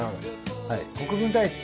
国分太一